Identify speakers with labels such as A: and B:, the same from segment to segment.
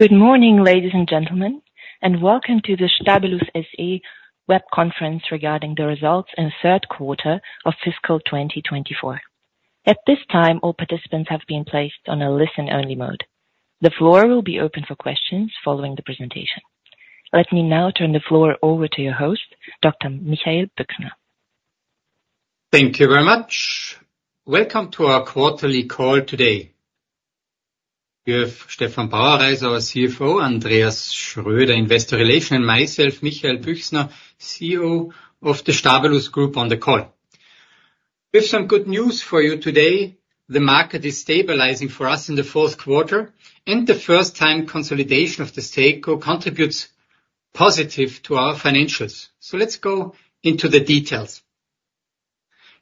A: Good morning, ladies and gentlemen, and welcome to the Stabilus SE Web Conference regarding the results in the third quarter of fiscal 2024. At this time, all participants have been placed on a listen-only mode. The floor will be open for questions following the presentation. Let me now turn the floor over to your host, Dr. Michael Büchsner.
B: Thank you very much. Welcome to our quarterly call today. We have Stefan Bauerreis, our CFO, Andreas Schröder, Investor Relations, and myself, Michael Büchsner, CEO of the Stabilus Group, on the call. We have some good news for you today. The market is stabilizing for us in the fourth quarter, and the first-time consolidation of Destaco contributes positively to our financials. Let's go into the details.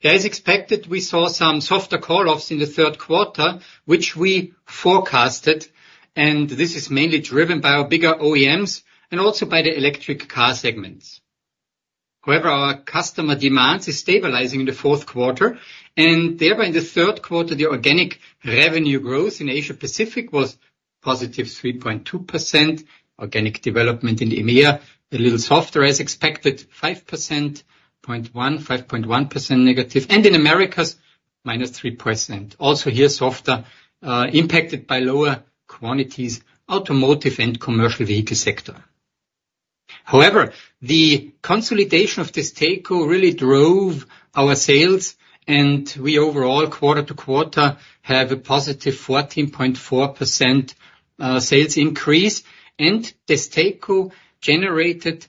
B: As expected, we saw some softer call-offs in the third quarter, which we forecasted, and this is mainly driven by our bigger OEMs and also by the electric car segments. However, our customer demand is stabilizing in the fourth quarter, and thereby in the third quarter, the organic revenue growth in Asia-Pacific was positive 3.2%. Organic development in EMEA, a little softer as expected, -5.1%, and in Americas, -3%. Also here, softer, impacted by lower quantities, automotive and commercial vehicle sector. However, the consolidation of Destaco really drove our sales, and we overall, quarter to quarter, have a positive 14.4% sales increase, and Destaco generated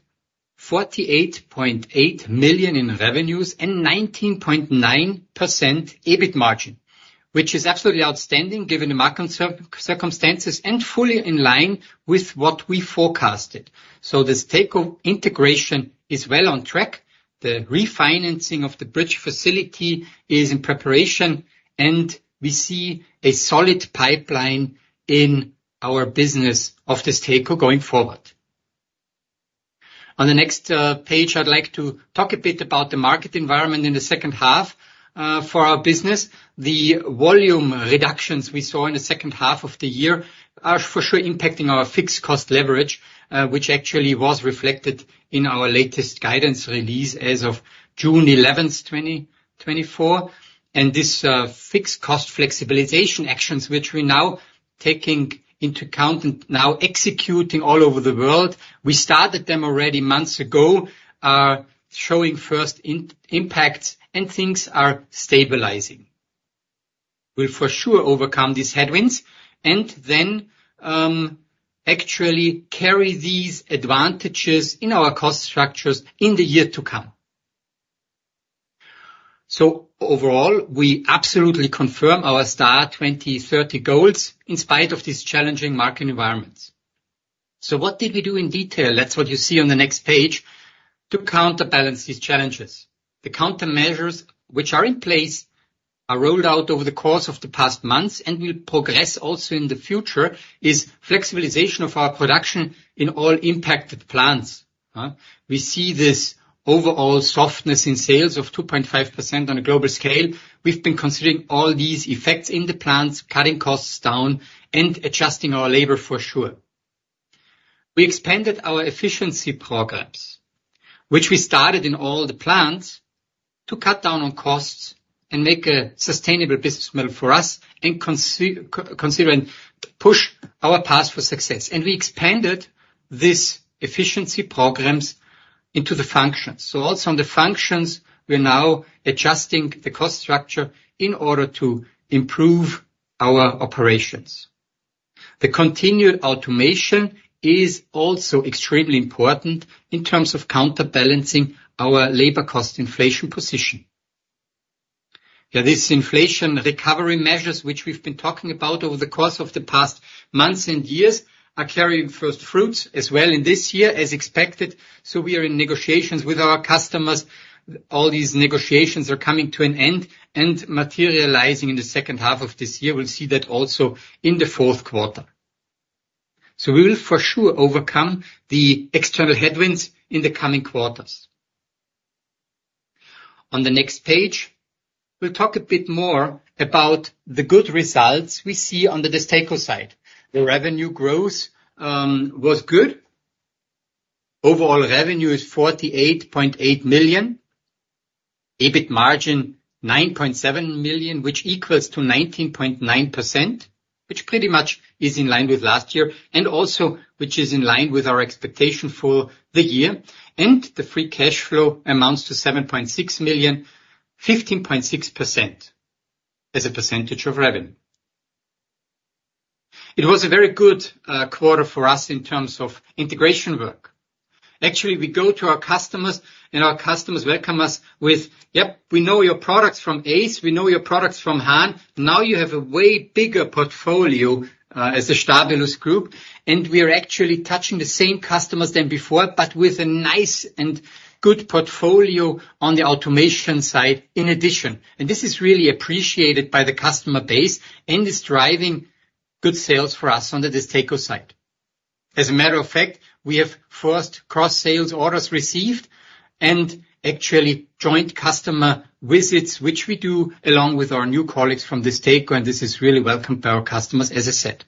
B: 48.8 million in revenues and 19.9% EBIT margin, which is absolutely outstanding given the market circumstances and fully in line with what we forecasted. So Destaco integration is well on track. The refinancing of the bridge facility is in preparation, and we see a solid pipeline in our business of Destaco going forward. On the next page, I'd like to talk a bit about the market environment in the second half for our business. The volume reductions we saw in the second half of the year are for sure impacting our fixed cost leverage, which actually was reflected in our latest guidance release as of June 11th, 2024. This fixed cost flexibilization action, which we're now taking into account and now executing all over the world, we started them already months ago, showing first impacts, and things are stabilizing. We'll for sure overcome these headwinds and then actually carry these advantages in our cost structures in the year to come. Overall, we absolutely confirm our STAR 2030 goals in spite of these challenging market environments. So what did we do in detail? That's what you see on the next page to counterbalance these challenges. The countermeasures which are in place are rolled out over the course of the past months and will progress also in the future, is flexibilization of our production in all impacted plants. We see this overall softness in sales of 2.5% on a global scale. We've been considering all these effects in the plants, cutting costs down and adjusting our labor for sure. We expanded our efficiency programs, which we started in all the plants to cut down on costs and make a sustainable business model for us and consider and push our path for success. And we expanded these efficiency programs into the functions. So also on the functions, we're now adjusting the cost structure in order to improve our operations. The continued automation is also extremely important in terms of counterbalancing our labor cost inflation position. Yeah, these inflation recovery measures, which we've been talking about over the course of the past months and years, are carrying first fruits as well in this year as expected. So we are in negotiations with our customers. All these negotiations are coming to an end and materializing in the second half of this year. We'll see that also in the fourth quarter. So we will for sure overcome the external headwinds in the coming quarters. On the next page, we'll talk a bit more about the good results we see on Destaco side. The revenue growth was good. Overall revenue is 48.8 million. EBIT margin 9.7 million, which equals to 19.9%, which pretty much is in line with last year and also which is in line with our expectation for the year. And the free cash flow amounts to 7.6 million, 15.6% as a percentage of revenue. It was a very good quarter for us in terms of integration work. Actually, we go to our customers and our customers welcome us with, "Yep, we know your products from ACE. We know your products from Hahn. Now you have a way bigger portfolio as a Stabilus Group, and we are actually touching the same customers than before, but with a nice and good portfolio on the automation side in addition. This is really appreciated by the customer base and is driving good sales for us on the DESTACO side. As a matter of fact, we have four cross-sales orders received and actually joint customer visits, which we do along with our new colleagues from DESTACO, and this is really welcomed by our customers, as I said.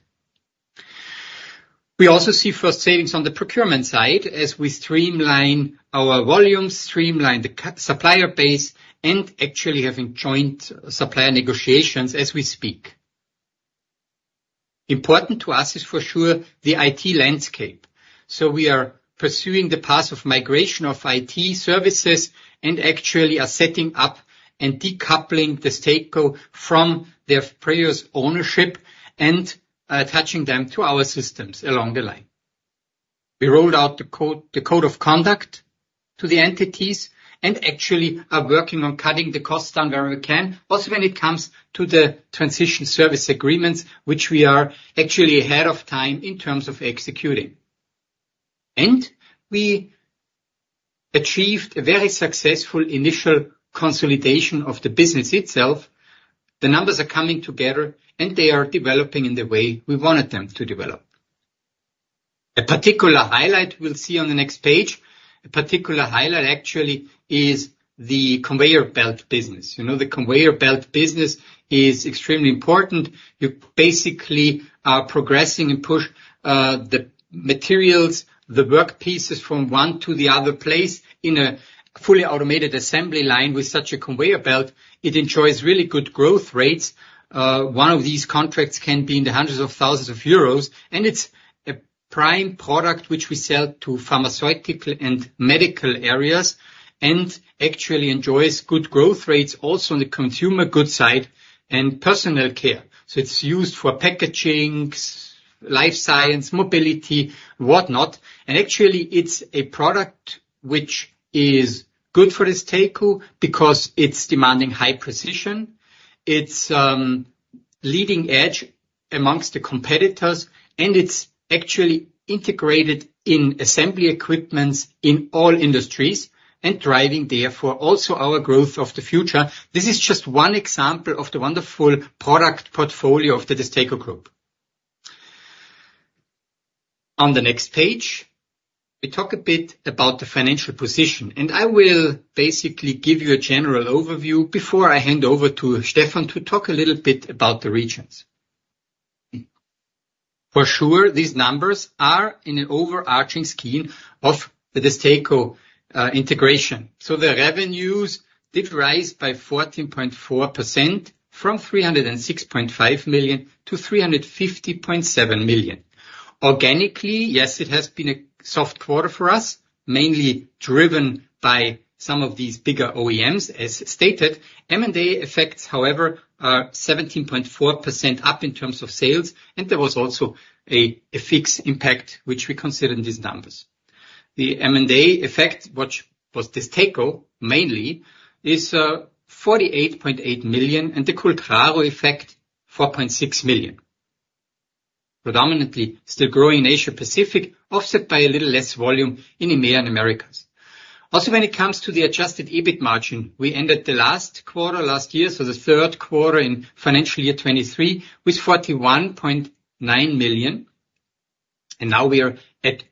B: We also see first savings on the procurement side as we streamline our volumes, streamline the supplier base, and actually having joint supplier negotiations as we speak. Important to us is for sure the IT landscape. So we are pursuing the path of migration of IT services and actually are setting up and decoupling the stack from their previous ownership and attaching them to our systems along the line. We rolled out the code of conduct to the entities and actually are working on cutting the costs down where we can, also when it comes to the transition service agreements, which we are actually ahead of time in terms of executing. And we achieved a very successful initial consolidation of the business itself. The numbers are coming together, and they are developing in the way we wanted them to develop. A particular highlight we'll see on the next page, a particular highlight actually is the conveyor belt business. You know, the conveyor belt business is extremely important. You basically are progressing and push the materials, the workpieces from one to the other place in a fully automated assembly line with such a conveyor belt. It enjoys really good growth rates. One of these contracts can be in the hundreds of thousands of EUR, and it's a prime product which we sell to pharmaceutical and medical areas and actually enjoys good growth rates also on the consumer goods side and personal care. So it's used for packaging, life science, mobility, whatnot. And actually, it's a product which is good for the Stabilus because it's demanding high precision. It's leading edge amongst the competitors, and it's actually integrated in assembly equipment in all industries and driving therefore also our growth of the future. This is just one example of the wonderful product portfolio of the Stabilus Group. On the next page, we talk a bit about the financial position, and I will basically give you a general overview before I hand over to Stefan to talk a little bit about the regions. For sure, these numbers are in an overarching scheme of the Destaco integration. So the revenues did rise by 14.4% from 306.5- 350.7 million. Organically, yes, it has been a soft quarter for us, mainly driven by some of these bigger OEMs, as stated. M&A effects, however, are 17.4% up in terms of sales, and there was also an FX impact which we consider in these numbers. The M&A effect, which was the Destaco mainly, is 48.8 million, and the currency effect, 4.6 million. Predominantly still growing in Asia-Pacific, offset by a little less volume in EMEA and Americas. Also, when it comes to the adjusted EBIT margin, we ended the last quarter last year, so the third quarter in financial year 2023, was 41.9 million, and now we are at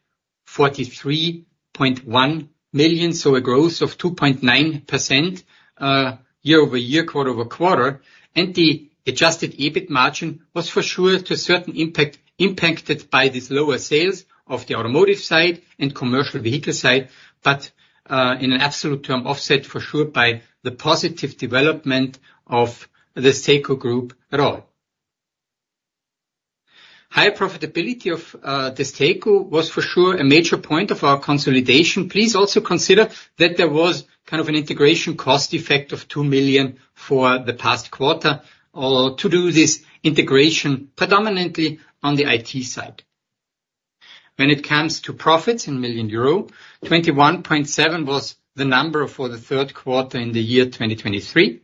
B: 43.1 million. So a growth of 2.9% year-over-year, quarter-over-quarter. And the adjusted EBIT margin was for sure to a certain impact impacted by these lower sales of the automotive side and commercial vehicle side, but in an absolute term offset for sure by the positive development of the Stabilus Group role. High profitability of the Stabilus was for sure a major point of our consolidation. Please also consider that there was kind of an integration cost effect of 2 million for the past quarter to do this integration predominantly on the IT side. When it comes to profits in millions euro, 21.7 million was the number for the third quarter in the year 2023,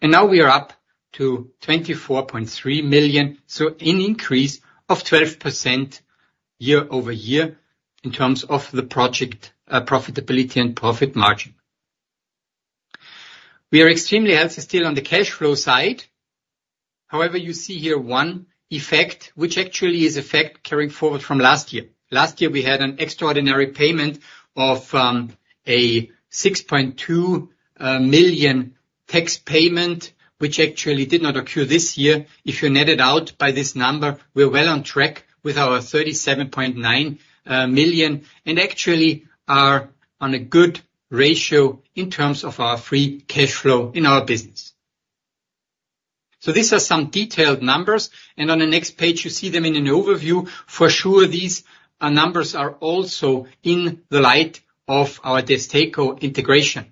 B: and now we are up to 24.3 million, so an increase of 12% year-over-year in terms of the project profitability and profit margin. We are extremely healthy still on the cash flow side. However, you see here one effect, which actually is effect carrying forward from last year. Last year, we had an extraordinary payment of a 6.2 million tax payment, which actually did not occur this year. If you net it out by this number, we're well on track with our 37.9 million and actually are on a good ratio in terms of our free cash flow in our business. So these are some detailed numbers, and on the next page, you see them in an overview. For sure, these numbers are also in the light of our DESTACO integration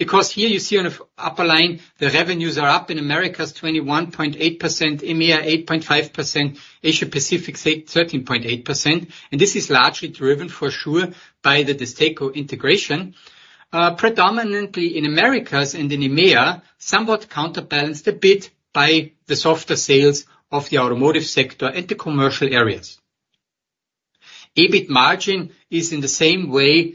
B: because here you see on the upper line, the revenues are up in Americas 21.8%, EMEA 8.5%, Asia-Pacific 13.8%, and this is largely driven for sure by the DESTACO integration, predominantly in Americas and in EMEA, somewhat counterbalanced a bit by the softer sales of the automotive sector and the commercial areas. EBIT margin is in the same way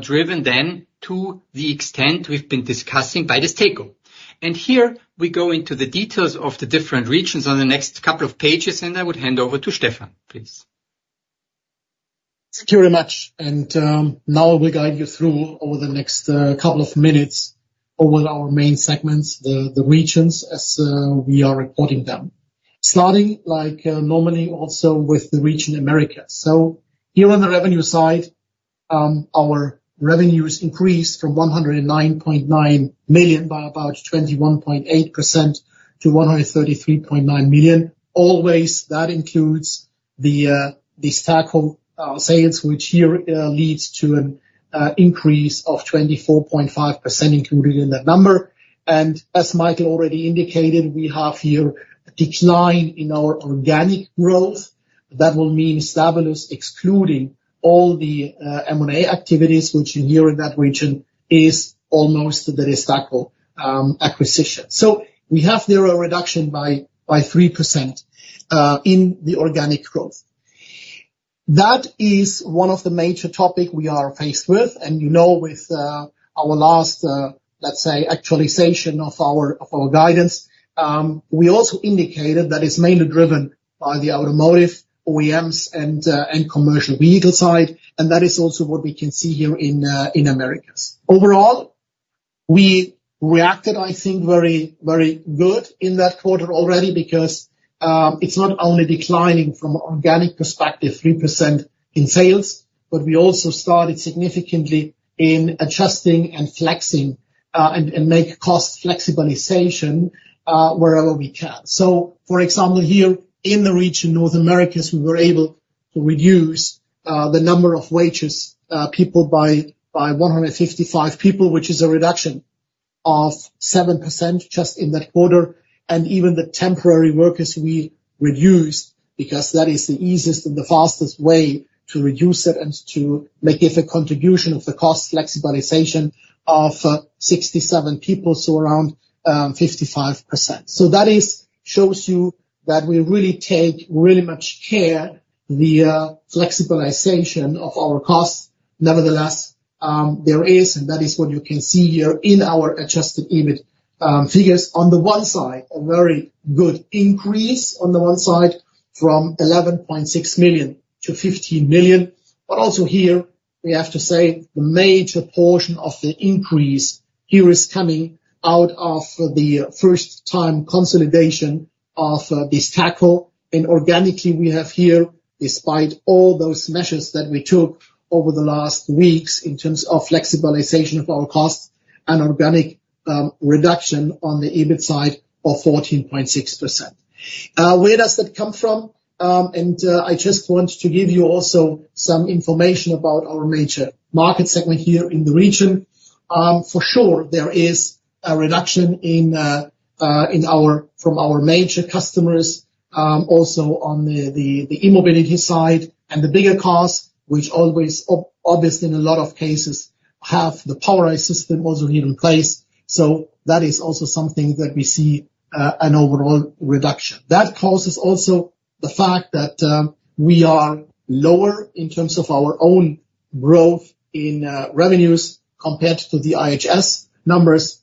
B: driven then to the extent we've been discussing by the DESTACO. Here we go into the details of the different regions on the next couple of pages, and I would hand over to Stefan, please.
C: Thank you very much. Now we'll guide you through over the next couple of minutes over our main segments, the regions, as we are reporting them, starting like normally also with the region Americas. So here on the revenue side, our revenues increased from 109.9 million by about 21.8% to 133.9 million. Always that includes the DESTACO sales which here leads to an increase of 24.5% included in that number. And as Michael already indicated, we have here a decline in our organic growth. That will mean Stabilus excluding all the M&A activities which in here in that region is almost the DESTACO acquisition. So we have there a reduction by 3% in the organic growth. That is one of the major topics we are faced with. And you know, with our last, let's say, actualization of our guidance, we also indicated that it's mainly driven by the automotive OEMs and commercial vehicle side. And that is also what we can see here in Americas. Overall, we reacted, I think, very, very good in that quarter already because it's not only declining from an organic perspective, 3% in sales, but we also started significantly in adjusting and flexing and make cost flexibilization wherever we can. So for example, here in the region, North America, we were able to reduce the number of wages people by 155 people, which is a reduction of 7% just in that quarter. And even the temporary workers we reduced because that is the easiest and the fastest way to reduce it and to make a contribution of the cost flexibilization of 67 people, so around 55%. So that shows you that we really take really much care of the flexibilization of our costs. Nevertheless, there is, and that is what you can see here in our adjusted EBIT figures. On the one side, a very good increase on the one side from 11.6 million to 15 million. But also here, we have to say the major portion of the increase here is coming out of the first-time consolidation of DESTACO. And organically, we have here, despite all those measures that we took over the last weeks in terms of flexibilization of our costs and organic reduction on the EBIT side of 14.6%. Where does that come from? And I just want to give you also some information about our major market segment here in the region. For sure, there is a reduction in our major customers also on the e-mobility side and the bigger cars, which always, obviously in a lot of cases, have the power system also here in place. So that is also something that we see an overall reduction. That causes also the fact that we are lower in terms of our own growth in revenues compared to the IHS numbers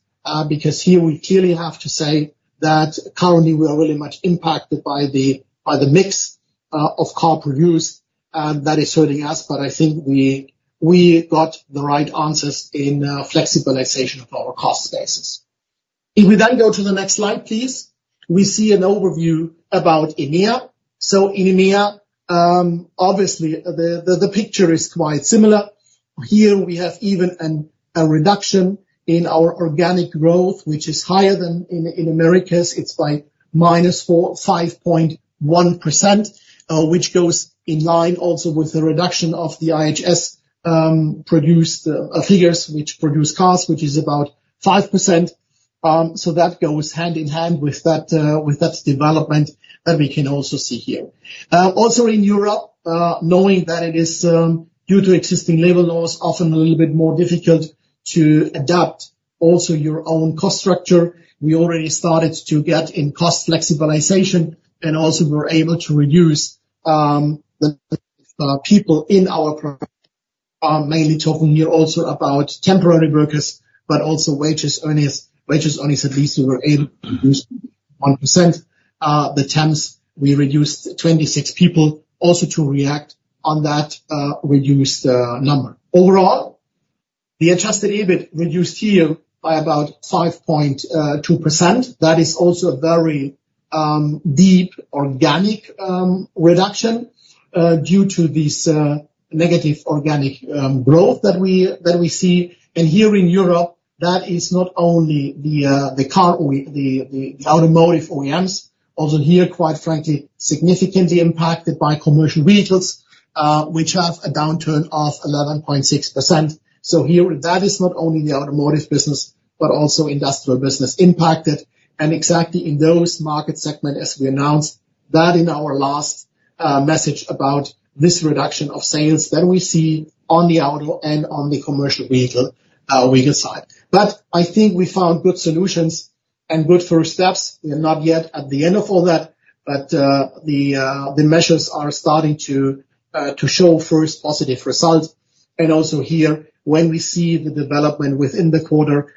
C: because here we clearly have to say that currently we are really much impacted by the mix of cars produced that is hurting us. But I think we got the right answers in flexibilization of our cost basis. If we then go to the next slide, please, we see an overview about EMEA. So in EMEA, obviously the picture is quite similar. Here we have even a reduction in our organic growth, which is higher than in Americas. It's by -5.1%, which goes in line also with the reduction of the IHS production figures, which produce cars, which is about 5%. So that goes hand in hand with that development that we can also see here. Also in Europe, knowing that it is due to existing labor laws, often a little bit more difficult to adapt also your own cost structure. We already started to get in cost flexibilization and also were able to reduce the people in our product, mainly talking here also about temporary workers, but also wage earners. Wage earners at least were able to reduce 1%. The temps, we reduced 26 people also to react on that reduced number. Overall, the adjusted EBIT reduced here by about 5.2%. That is also a very deep organic reduction due to this negative organic growth that we see. And here in Europe, that is not only the car, the automotive OEMs, also here, quite frankly, significantly impacted by commercial vehicles, which have a downturn of 11.6%. So here that is not only the automotive business, but also industrial business impacted. Exactly in those market segments, as we announced that in our last message about this reduction of sales that we see on the auto and on the commercial vehicle side. But I think we found good solutions and good first steps. We are not yet at the end of all that, but the measures are starting to show first positive results. And also here, when we see the development within the quarter,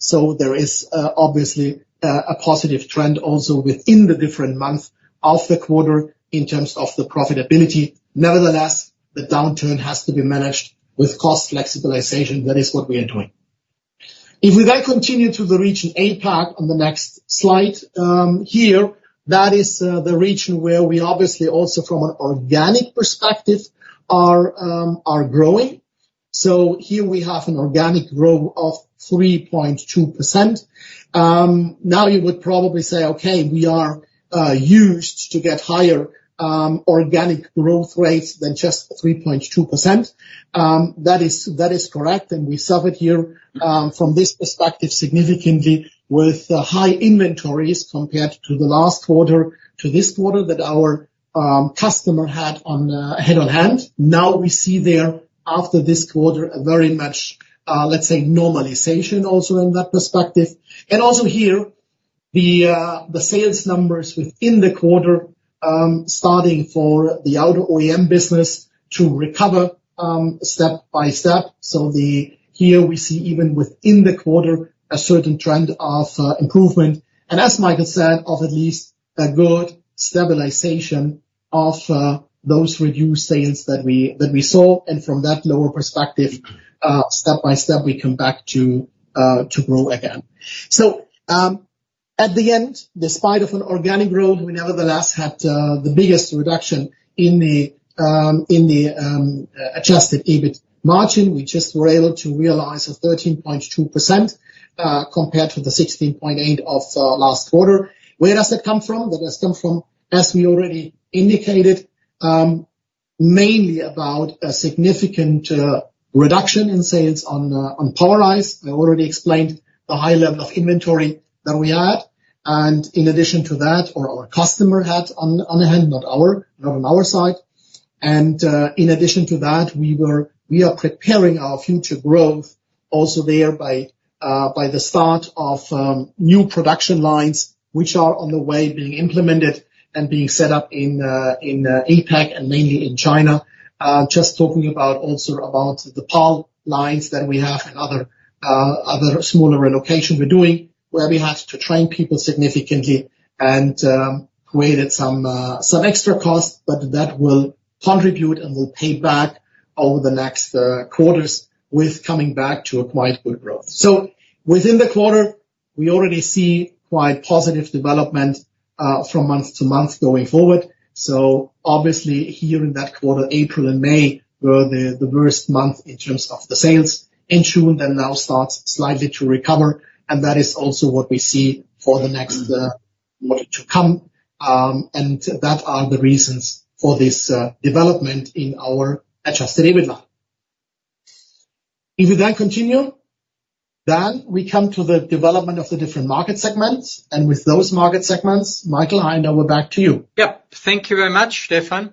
C: so there is obviously a positive trend also within the different months of the quarter in terms of the profitability. Nevertheless, the downturn has to be managed with cost flexibilization. That is what we are doing. If we then continue to the region APAC on the next slide here, that is the region where we obviously also from an organic perspective are growing. So here we have an organic growth of 3.2%. Now you would probably say, "Okay, we are used to get higher organic growth rates than just 3.2%." That is correct. And we suffered here from this perspective significantly with high inventories compared to the last quarter to this quarter that our customer had on hand. Now we see that after this quarter a very much, let's say, normalization also in that perspective. And also here, the sales numbers within the quarter starting for the auto OEM business to recover step by step. So here we see even within the quarter a certain trend of improvement. And as Michael said, of at least a good stabilization of those reduced sales that we saw. And from that lower perspective, step by step, we come back to grow again. So at the end, despite of an organic growth, we nevertheless had the biggest reduction in the adjusted EBIT margin. We just were able to realize a 13.2% compared to the 16.8% of last quarter. Where does that come from? That has come from, as we already indicated, mainly about a significant reduction in sales on Powerise. I already explained the high level of inventory that we had. And in addition to that, or our customer had on hand, not our, not on our side. And in addition to that, we are preparing our future growth also there by the start of new production lines, which are on the way being implemented and being set up in APAC and mainly in China. Just talking about also about the PAL lines that we have and other smaller locations we're doing where we have to train people significantly and created some extra costs, but that will contribute and will pay back over the next quarters with coming back to a quite good growth. So within the quarter, we already see quite positive development from month to month going forward. So obviously here in that quarter, April and May were the worst month in terms of the sales. In June, then now starts slightly to recover. And that is also what we see for the next quarter to come. And that are the reasons for this development in our adjusted EBIT line. If we then continue, then we come to the development of the different market segments. And with those market segments, Michael, I now will back to you.
B: Yeah. Thank you very much, Stefan.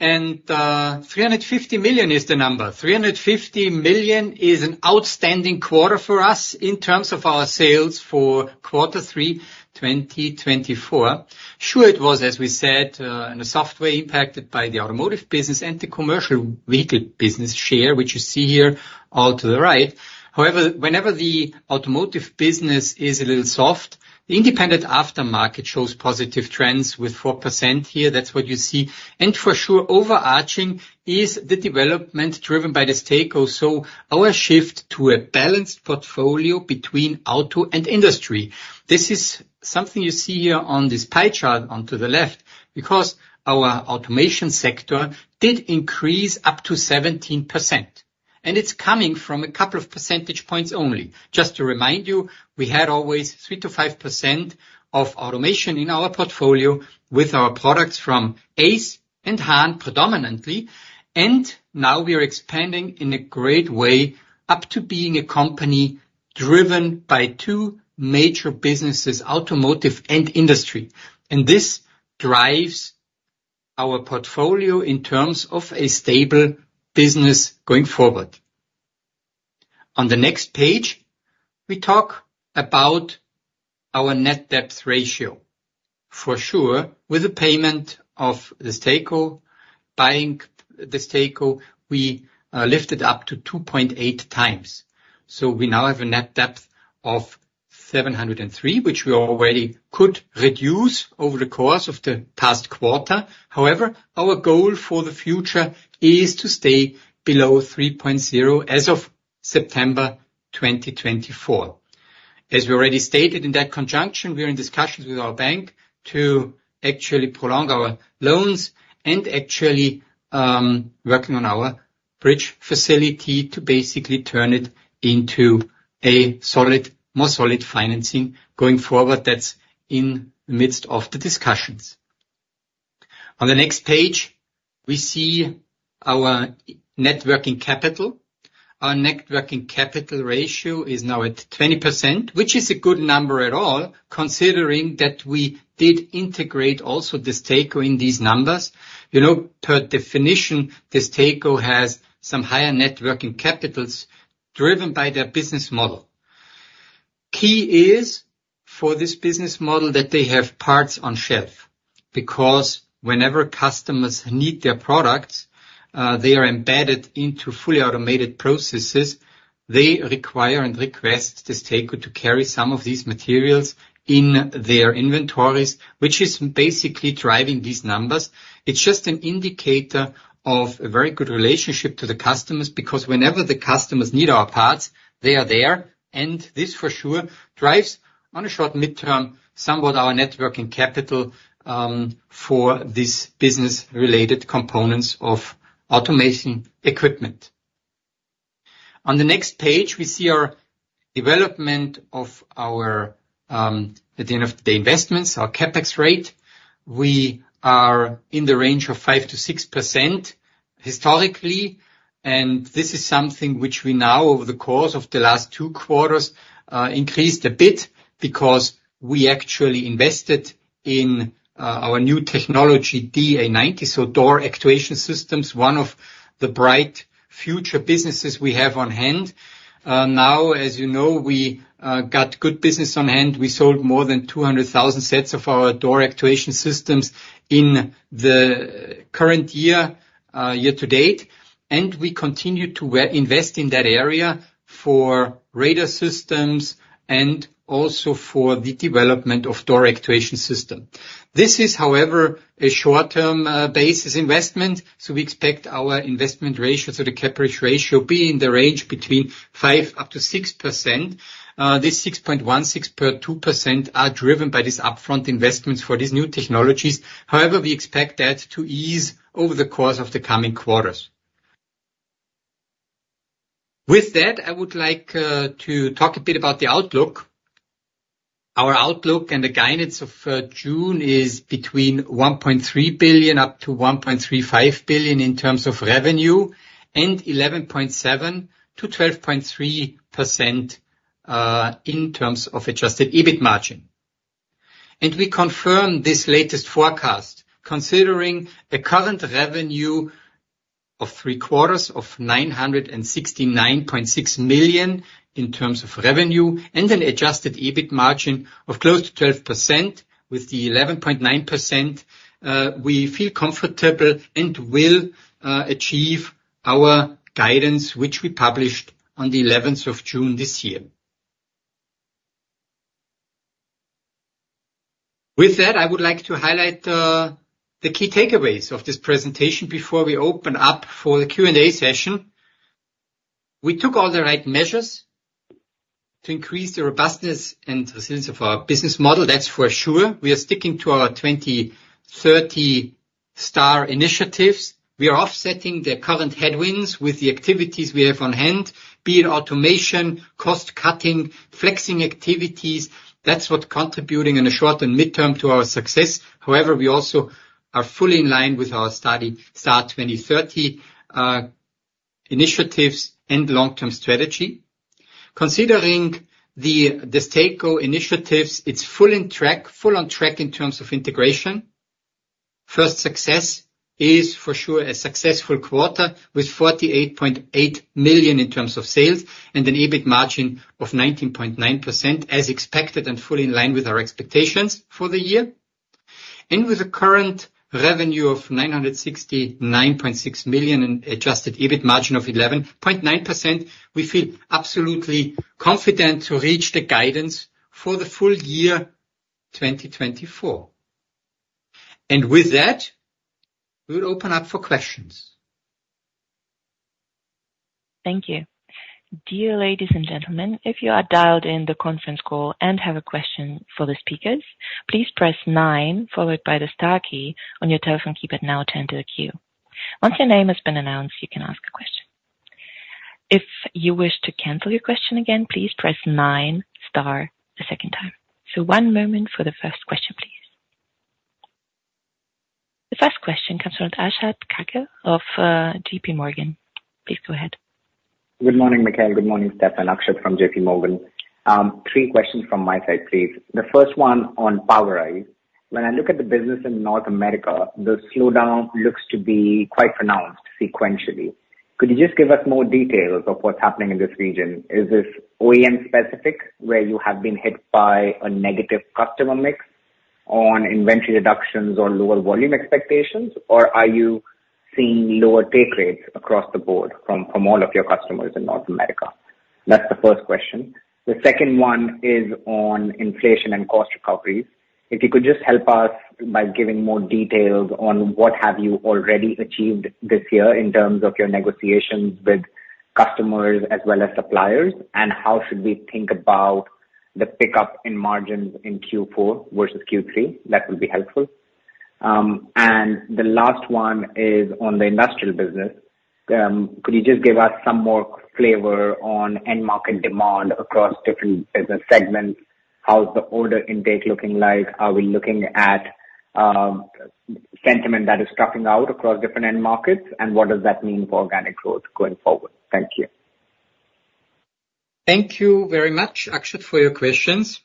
B: 350 million is the number. 350 million is an outstanding quarter for us in terms of our sales for quarter three 2024. Sure, it was, as we said, somewhat impacted by the automotive business and the commercial vehicle business share, which you see here all to the right. However, whenever the automotive business is a little soft, the independent aftermarket shows positive trends with 4% here. That's what you see. For sure, overarching is the development driven by the STAR. So our shift to a balanced portfolio between auto and industry. This is something you see here on this pie chart onto the left because our automation sector did increase up to 17%. And it's coming from a couple of percentage points only. Just to remind you, we had always 3%-5% of automation in our portfolio with our products from ACE and Hahn predominantly. Now we are expanding in a great way up to being a company driven by two major businesses, automotive and industry. This drives our portfolio in terms of a stable business going forward. On the next page, we talk about our net debt ratio. For sure, with the payment of Destaco, buying Destaco, we lifted up to 2.8x. We now have a net debt of 703 million, which we already could reduce over the course of the past quarter. However, our goal for the future is to stay below 3.0 as of September 2024. As we already stated in that conjunction, we are in discussions with our bank to actually prolong our loans and actually working on our bridge facility to basically turn it into a more solid financing going forward. That's in the midst of the discussions. On the next page, we see our net working capital. Our net working capital ratio is now at 20%, which is a good number after all, considering that we did integrate also DESTACO in these numbers. You know, by definition, DESTACO has some higher net working capital driven by their business model. Key is for this business model that they have parts on shelf because whenever customers need their products, they are embedded into fully automated processes. They require and request DESTACO to carry some of these materials in their inventories, which is basically driving these numbers. It's just an indicator of a very good relationship to the customers because whenever the customers need our parts, they are there. And this for sure drives on a short midterm somewhat our net working capital for this business-related components of automation equipment. On the next page, we see our development of our, at the end of the day, investments, our CapEx rate. We are in the range of 5%-6% historically. This is something which we now, over the course of the last two quarters, increased a bit because we actually invested in our new technology, DA90. Door actuation systems, one of the bright future businesses we have on hand. Now, as you know, we got good business on hand. We sold more than 200,000 sets of our door actuation systems in the current year, year to date. We continue to invest in that area for radar systems and also for the development of door actuation system. This is, however, a short-term basis investment. We expect our investment ratio, so the CapEx rate ratio, be in the range between 5%-6%. This 6.16% or 2% are driven by these upfront investments for these new technologies. However, we expect that to ease over the course of the coming quarters. With that, I would like to talk a bit about the outlook. Our outlook and the guidance of June is between 1.3 billion up to 1.35 billion in terms of revenue and 11.7%-12.3% in terms of adjusted EBIT margin. We confirm this latest forecast considering a current revenue of three quarters of 969.6 million in terms of revenue and an adjusted EBIT margin of close to 12% with the 11.9%. We feel comfortable and will achieve our guidance, which we published on the 11th of June this year. With that, I would like to highlight the key takeaways of this presentation before we open up for the Q&A session. We took all the right measures to increase the robustness and resilience of our business model. That's for sure. We are sticking to our STAR 2030 initiatives. We are offsetting the current headwinds with the activities we have on hand, be it automation, cost cutting, flexing activities. That's what contributing in the short and midterm to our success. However, we also are fully in line with our STAR 2030 initiatives and long-term strategy. Considering the STAR initiatives, it's fully on track in terms of integration. First success is for sure a successful quarter with 48.8 million in terms of sales and an EBIT margin of 19.9% as expected and fully in line with our expectations for the year. With the current revenue of 969.6 million and adjusted EBIT margin of 11.9%, we feel absolutely confident to reach the guidance for the full year 2024. And with that, we will open up for questions.
A: Thank you. Dear ladies and gentlemen, if you are dialed in the conference call and have a question for the speakers, please press nine followed by the star key on your telephone keypad. Now turned to the queue. Once your name has been announced, you can ask a question. If you wish to cancel your question again, please press nine star the second time. So one moment for the first question, please. The first question comes from Akshath Kacker of J.P. Morgan. Please go ahead.
D: Good morning, Michael. Good morning, Stefan. Akshath from JPMorgan. Three questions from my side, please. The first one on Powerise. When I look at the business in North America, the slowdown looks to be quite pronounced sequentially. Could you just give us more details of what's happening in this region? Is this OEM specific where you have been hit by a negative customer mix on inventory reductions or lower volume expectations, or are you seeing lower take rates across the board from all of your customers in North America? That's the first question. The second one is on inflation and cost recoveries. If you could just help us by giving more details on what have you already achieved this year in terms of your negotiations with customers as well as suppliers, and how should we think about the pickup in margins in Q4 versus Q3? That would be helpful. The last one is on the industrial business. Could you just give us some more flavor on end market demand across different business segments? How's the order intake looking like? Are we looking at sentiment that is stopping out across different end markets, and what does that mean for organic growth going forward? Thank you.
B: Thank you very much, Akshath, for your questions.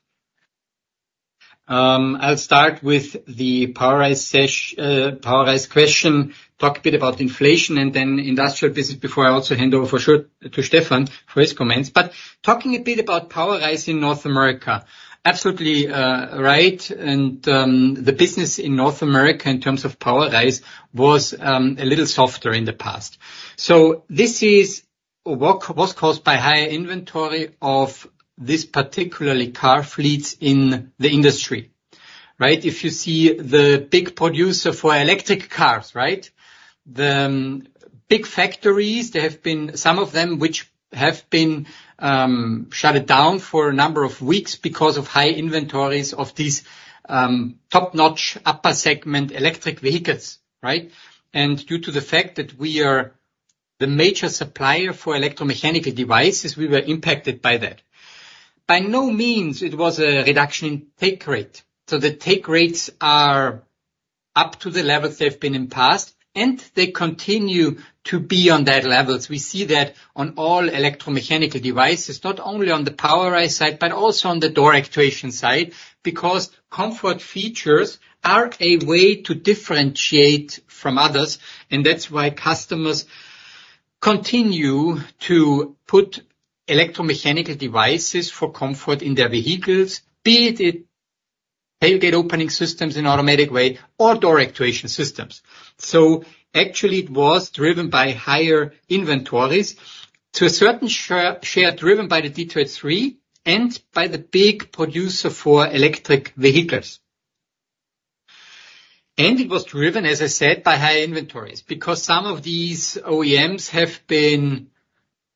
B: I'll start with the Powerise question, talk a bit about inflation and then industrial business before I also hand over for sure to Stefan for his comments. But talking a bit about Powerise in North America, absolutely right. And the business in North America in terms of Powerise was a little softer in the past. So this was caused by higher inventory of this particularly car fleets in the industry, right? If you see the big producer for electric cars, right? The big factories, there have been some of them which have been shut down for a number of weeks because of high inventories of these top-notch upper segment electric vehicles, right? Due to the fact that we are the major supplier for electromechanical devices, we were impacted by that. By no means it was a reduction in take rate. The take rates are up to the levels they've been in the past, and they continue to be on that levels. We see that on all electromechanical devices, not only on the Powerise side, but also on the door actuation side because comfort features are a way to differentiate from others. That's why customers continue to put electromechanical devices for comfort in their vehicles, be it tailgate opening systems in an automatic way or door actuation systems. Actually, it was driven by higher inventories to a certain share driven by the Detroit 3 and by the big producer for electric vehicles. It was driven, as I said, by high inventories because some of these OEMs have been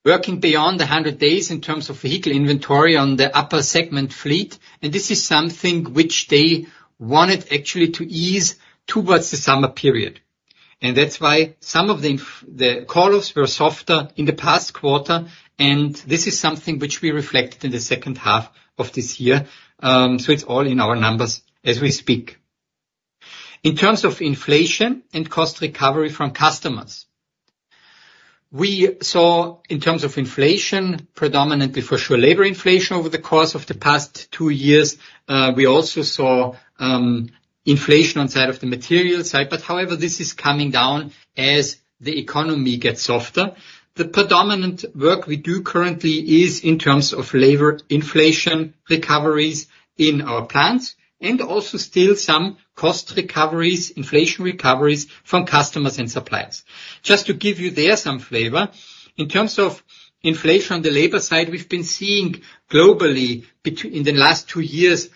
B: working beyond 100 days in terms of vehicle inventory on the upper segment fleet. This is something which they wanted actually to ease towards the summer period. That's why some of the call-offs were softer in the past quarter. This is something which we reflected in the second half of this year. So it's all in our numbers as we speak. In terms of inflation and cost recovery from customers, we saw in terms of inflation, predominantly for sure labor inflation over the course of the past two years. We also saw inflation on the side of the material side. But however, this is coming down as the economy gets softer. The predominant work we do currently is in terms of labor inflation recoveries in our plants and also still some cost recoveries, inflation recoveries from customers and suppliers. Just to give you there some flavor, in terms of inflation on the labor side, we've been seeing globally in the last 2 years,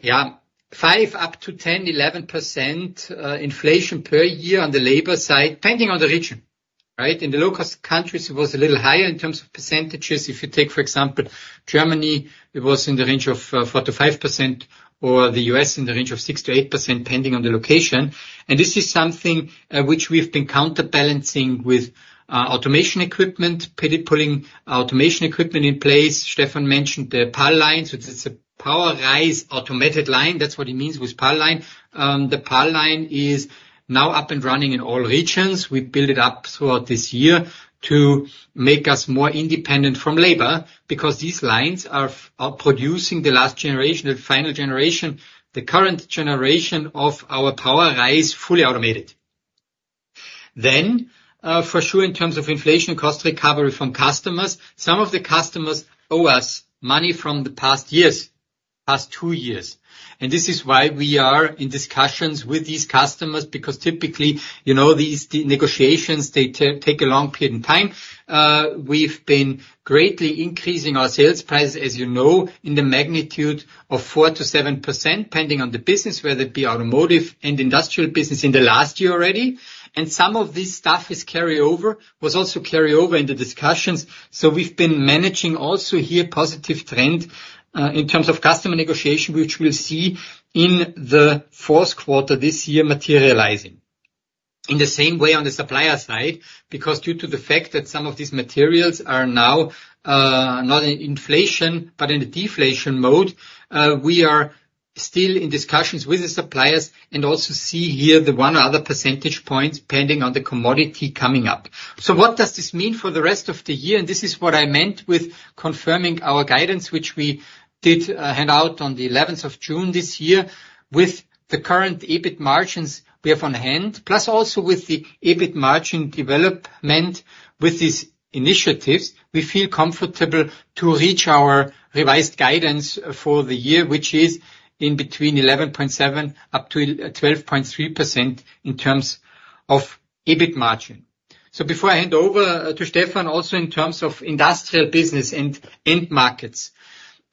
B: yeah, 5%-11% inflation per year on the labor side, depending on the region, right? In the low-cost countries, it was a little higher in terms of percentages. If you take, for example, Germany, it was in the range of 4%-5% or the U.S. in the range of 6%-8%, depending on the location. And this is something which we've been counterbalancing with automation equipment, putting automation equipment in place. Stefan mentioned the PAL line. So it's a Powerise automated line. That's what it means withPAL line. The PAL line is now up and running in all regions. We built it up throughout this year to make us more independent from labor because these lines are producing the last generation, the final generation, the current generation of our Powerise fully automated. Then, for sure, in terms of inflation and cost recovery from customers, some of the customers owe us money from the past years, past two years. And this is why we are in discussions with these customers because typically, you know, these negotiations, they take a long period of time. We've been greatly increasing our sales prices, as you know, in the magnitude of 4%-7%, depending on the business, whether it be automotive and industrial business in the last year already. And some of this stuff is carryover, was also carryover in the discussions. So we've been managing also here positive trend in terms of customer negotiation, which we'll see in the fourth quarter this year materializing. In the same way on the supplier side, because due to the fact that some of these materials are now not in inflation, but in the deflation mode, we are still in discussions with the suppliers and also see here the one or other percentage points pending on the commodity coming up. So what does this mean for the rest of the year? And this is what I meant with confirming our guidance, which we did hand out on the 11th of June this year with the current EBIT margins we have on hand, plus also with the EBIT margin development with these initiatives. We feel comfortable to reach our revised guidance for the year, which is in between 11.7%-12.3% in terms of EBIT margin. So before I hand over to Stefan, also in terms of industrial business and end markets,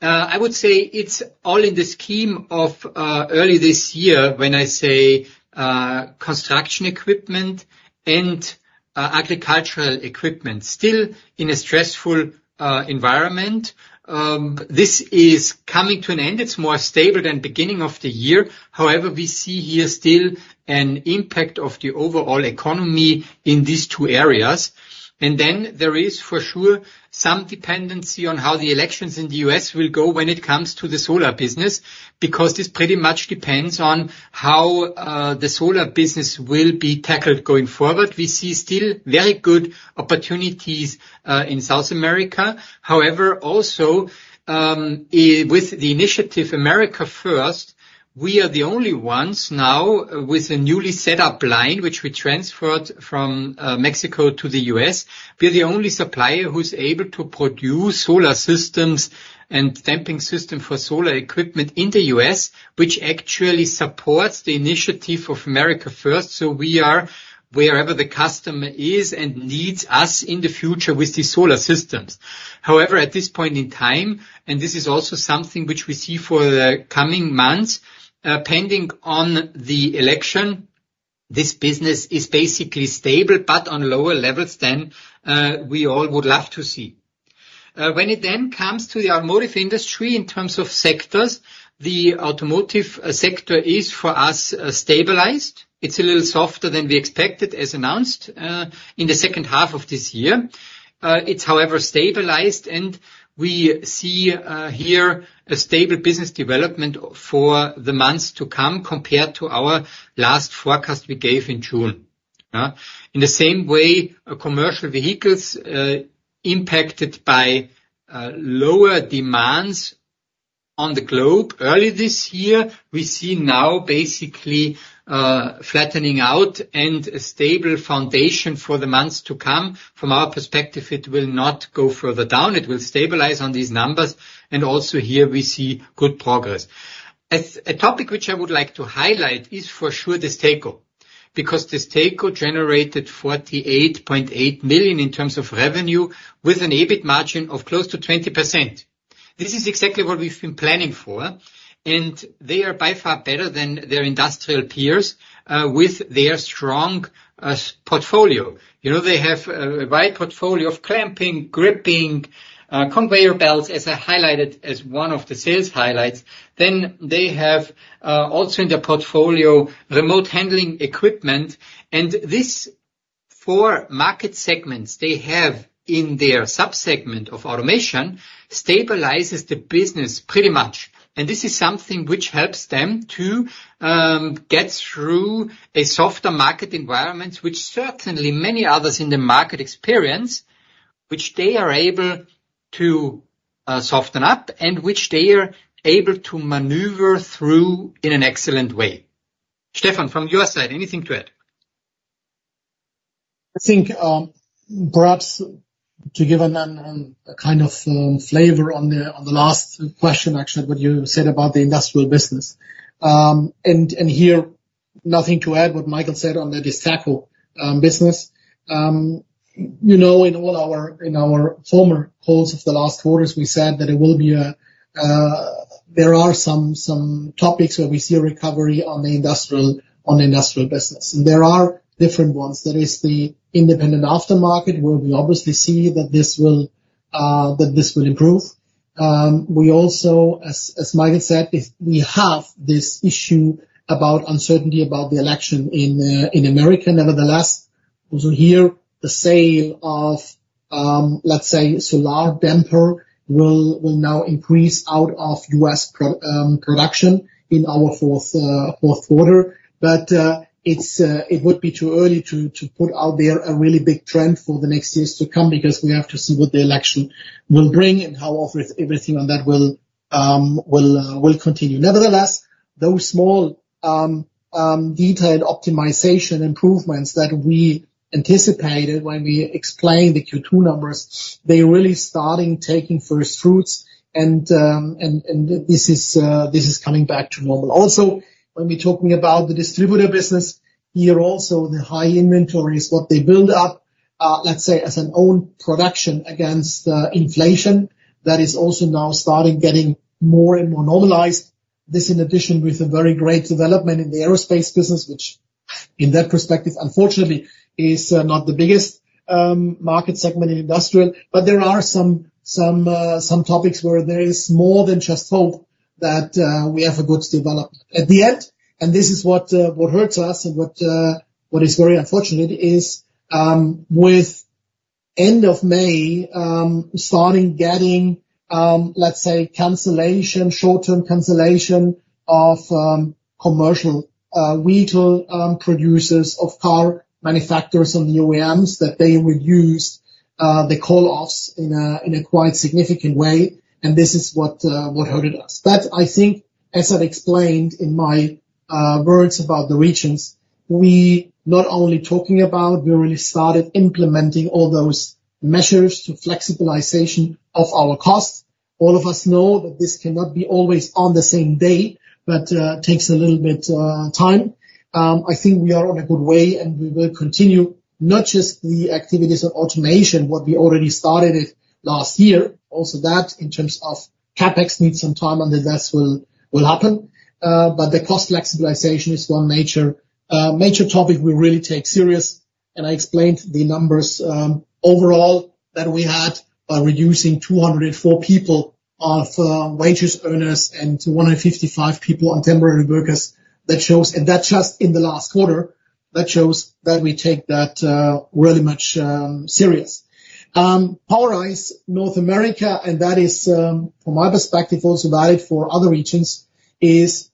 B: I would say it's all in the scheme of early this year when I say construction equipment and agricultural equipment, still in a stressful environment. This is coming to an end. It's more stable than beginning of the year. However, we see here still an impact of the overall economy in these two areas. And then there is for sure some dependency on how the elections in the U.S. will go when it comes to the solar business because this pretty much depends on how the solar business will be tackled going forward. We see still very good opportunities in South America. However, also with the initiative America First, we are the only ones now with a newly set up line which we transferred from Mexico to the U.S. We are the only supplier who's able to produce solar systems and damping system for solar equipment in the U.S., which actually supports the initiative of America First. So we are wherever the customer is and needs us in the future with these solar systems. However, at this point in time, and this is also something which we see for the coming months, pending on the election, this business is basically stable, but on lower levels than we all would love to see. When it then comes to the automotive industry in terms of sectors, the automotive sector is for us stabilized. It's a little softer than we expected as announced in the second half of this year. It's, however, stabilized, and we see here a stable business development for the months to come compared to our last forecast we gave in June. In the same way, commercial vehicles impacted by lower demands on the globe early this year, we see now basically flattening out and a stable foundation for the months to come. From our perspective, it will not go further down. It will stabilize on these numbers. And also here we see good progress. A topic which I would like to highlight is for sure DESTACO because DESTACO generated 48.8 million in terms of revenue with an EBIT margin of close to 20%. This is exactly what we've been planning for. And they are by far better than their industrial peers with their strong portfolio. They have a wide portfolio of clamping, gripping, conveyor belts, as I highlighted as one of the sales highlights. Then they have also in their portfolio remote handling equipment. And this for market segments they have in their subsegment of automation stabilizes the business pretty much. And this is something which helps them to get through a softer market environment, which certainly many others in the market experience, which they are able to soften up and which they are able to maneuver through in an excellent way. Stefan, from your side, anything to add?
C: I think perhaps to give a kind of flavor on the last question, Akshath, what you said about the industrial business. And here, nothing to add what Michael said on the industrial business. In all our former calls of the last quarters, we said that there are some topics where we see a recovery on the industrial business. And there are different ones. That is the independent aftermarket, where we obviously see that this will improve. We also, as Michael said, we have this issue about uncertainty about the election in America. Nevertheless, also here, the sale of, let's say, solar damper will now increase out of U.S. production in our fourth quarter. But it would be too early to put out there a really big trend for the next years to come because we have to see what the election will bring and how everything on that will continue. Nevertheless, those small detailed optimization improvements that we anticipated when we explained the Q2 numbers, they're really starting taking first fruits. And this is coming back to normal. Also, when we're talking about the distributor business, here also the high inventories, what they build up, let's say, as an own production against inflation, that is also now starting getting more and more normalized. This, in addition, with a very great development in the aerospace business, which, in that perspective, unfortunately, is not the biggest market segment in industrial. But there are some topics where there is more than just hope that we have a good development. At the end, and this is what hurts us and what is very unfortunate, is with end of May, starting getting, let's say, cancellation, short-term cancellation of commercial vehicle producers of car manufacturers on the OEMs that they would use the call-offs in a quite significant way. And this is what hurt us. But I think, as I've explained in my words about the regions, we not only talking about, we really started implementing all those measures to flexibilization of our costs. All of us know that this cannot be always on the same day, but takes a little bit of time. I think we are on a good way, and we will continue not just the activities of automation, what we already started last year, also that in terms of CapEx needs some time until this will happen. But the cost flexibilization is one major topic we really take serious. I explained the numbers overall that we had by reducing 204 people of wage earners and 155 people on temporary workers. That's just in the last quarter. That shows that we take that really much serious. Powerise North America, and that is, from my perspective, also valid for other regions, is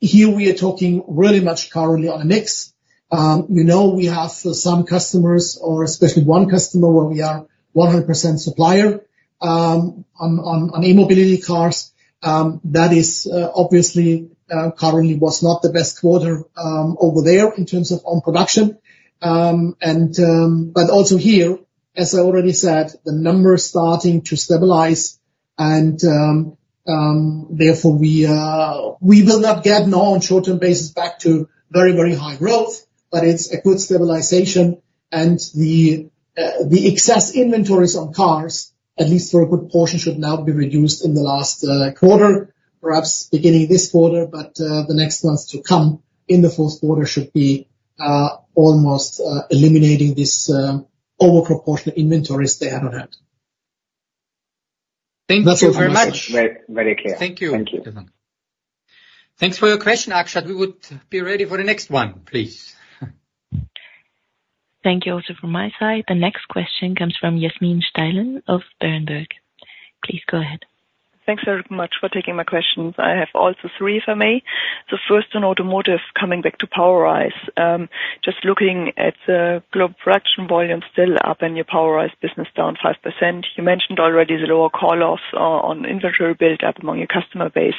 C: here we are talking really much currently on a mix. We have some customers, or especially one customer where we are 100% supplier on e-mobility cars. That is obviously currently was not the best quarter over there in terms of own production. But also here, as I already said, the numbers starting to stabilize. And therefore, we will not get now on short-term basis back to very, very high growth, but it's a good stabilization. And the excess inventories on cars, at least for a good portion, should now be reduced in the last quarter, perhaps beginning this quarter, but the next months to come in the fourth quarter should be almost eliminating this overproportionate inventory they had on hand.
D: Thank you very much. That's very clear. Thank you.
C: Thank you.
B: Thanks for your question, Akshath. We would be ready for the next one, please.
A: Thank you also from my side. The next question comes from Yasmin Steilen of Berenberg. Please go ahead.
E: Thanks very much for taking my questions. I have also three if I may. So first on automotive, coming back to Powerise, just looking at the global production volume still up and your Powerise business down 5%. You mentioned already the lower call-offs on inventory build-up among your customer base.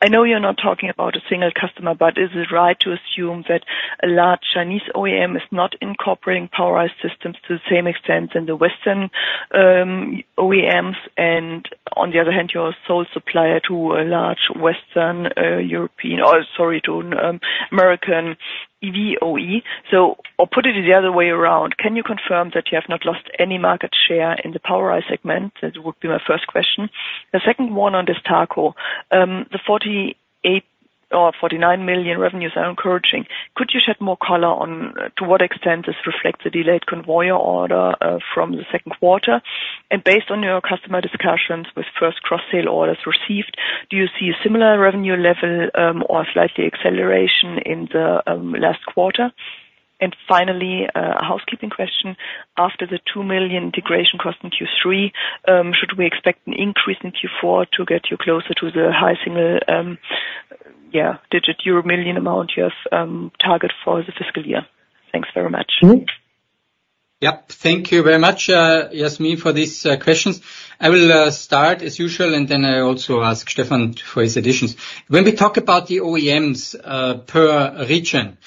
E: I know you're not talking about a single customer, but is it right to assume that a large Chinese OEM is not incorporating Powerise systems to the same extent as the Western OEMs? And on the other hand, you're a sole supplier to a large Western European or, sorry, to an American EV OEM. So or put it the other way around, can you confirm that you have not lost any market share in the Powerise segment? That would be my first question. The second one on DESTACO, the 48 million or 49 million revenues are encouraging. Could you shed more color onto what extent this reflects the delayed conveyor order from the second quarter? And based on your customer discussions with first cross-sale orders received, do you see a similar revenue level or slightly acceleration in the last quarter? And finally, a housekeeping question. After the 2 million integration cost in Q3, should we expect an increase in Q4 to get you closer to the high single-digit euro million amount you have targeted for the fiscal year? Thanks very much.
B: Yep. Thank you very much, Yasmin, for these questions. I will start as usual, and then I also ask Stefan for his additions. When we talk about the OEMs per region,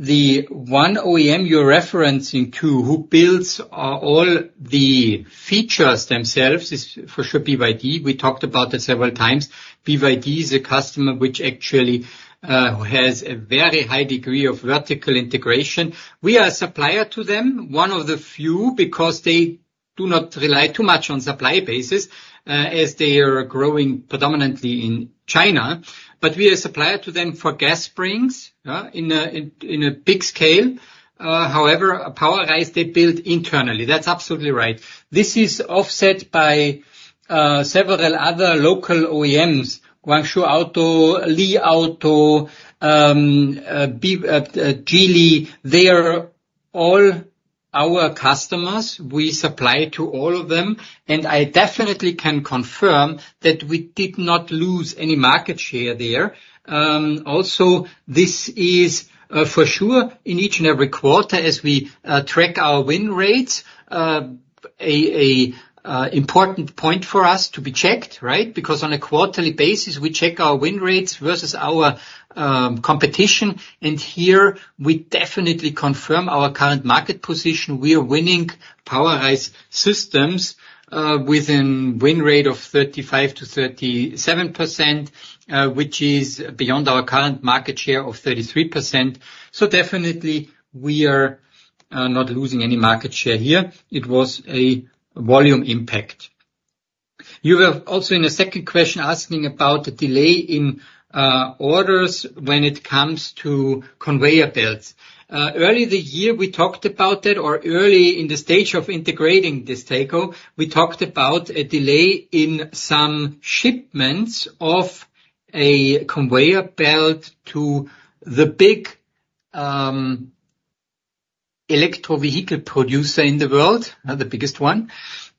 B: the one OEM you're referencing to who builds all the features themselves is for sure BYD. We talked about it several times. BYD is a customer which actually has a very high degree of vertical integration. We are a supplier to them, one of the few, because they do not rely too much on supply basis as they are growing predominantly in China. But we are a supplier to them for gas springs in a big scale. However, Powerise, they build internally. That's absolutely right. This is offset by several other local OEMs: Guangzhou Auto, Li Auto, Geely. They are all our customers. We supply to all of them. And I definitely can confirm that we did not lose any market share there. Also, this is for sure in each and every quarter as we track our win rates, an important point for us to be checked, right? Because on a quarterly basis, we check our win rates versus our competition. And here, we definitely confirm our current market position. We are winning Powerise systems with a win rate of 35%-37%, which is beyond our current market share of 33%. So definitely, we are not losing any market share here. It was a volume impact. You were also in a second question asking about the delay in orders when it comes to conveyor belts. Early in the year, we talked about that, or early in the stage of integrating DESTACO, we talked about a delay in some shipments of a conveyor belt to the big electric vehicle producer in the world, the biggest one.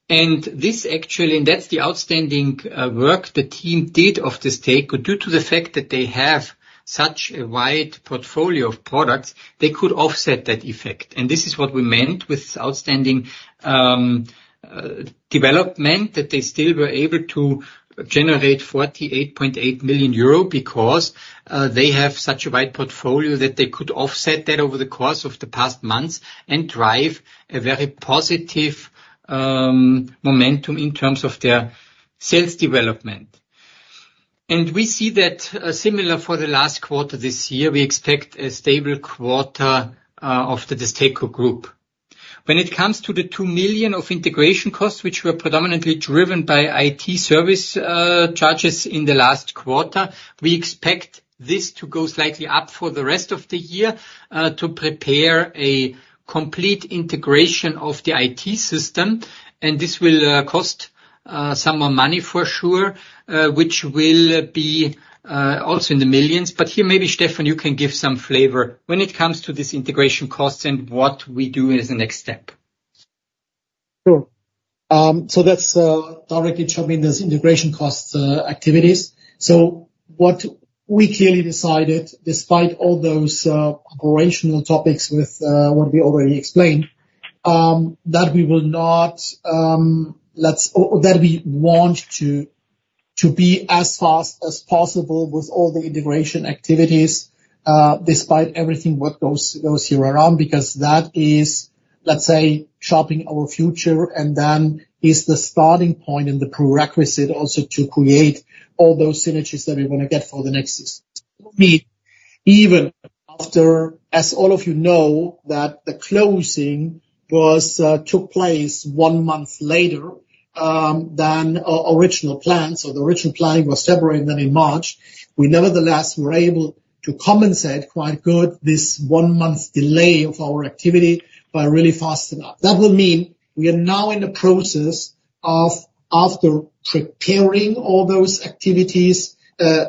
B: And this actually, and that's the outstanding work the team did of DESTACO. Due to the fact that they have such a wide portfolio of products, they could offset that effect. This is what we meant with outstanding development, that they still were able to generate 48.8 million euro because they have such a wide portfolio that they could offset that over the course of the past months and drive a very positive momentum in terms of their sales development. We see that similar for the last quarter this year. We expect a stable quarter of the Destaco group. When it comes to the 2 million of integration costs, which were predominantly driven by IT service charges in the last quarter, we expect this to go slightly up for the rest of the year to prepare a complete integration of the IT system. And this will cost some more money for sure, which will be also in the millions. But here, maybe Stefan, you can give some flavor when it comes to this integration costs and what we do as a next step.
C: Sure. So that's directly chopping those integration costs activities. So what we clearly decided, despite all those operational topics with what we already explained, that we will not, that we want to be as fast as possible with all the integration activities despite everything what goes here around because that is, let's say, shaping our future and then is the starting point and the prerequisite also to create all those synergies that we want to get for the next season. Even after, as all of you know, that the closing took place 1 month later than original plan. So the original planning was February and then in March. We nevertheless were able to compensate quite good this 1-month delay of our activity by really fast enough. That will mean we are now in the process of, after preparing all those activities,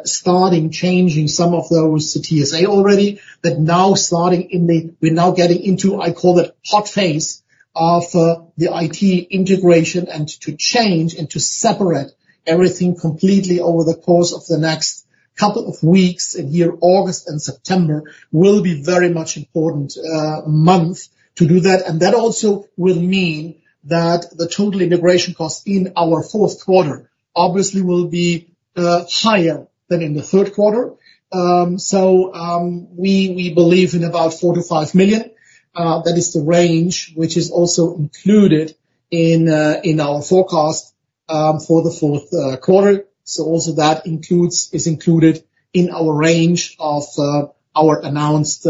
C: starting changing some of those TSA already, but now starting in the, we're now getting into, I call it hot phase of the IT integration and to change and to separate everything completely over the course of the next couple of weeks. In here August and September will be a very much important month to do that. And that also will mean that the total integration costs in our fourth quarter obviously will be higher than in the third quarter. So we believe in about 4-5 million. That is the range which is also included in our forecast for the fourth quarter. So also that is included in our range of our announced